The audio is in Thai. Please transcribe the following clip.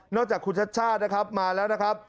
จากคุณชัดชาตินะครับมาแล้วนะครับ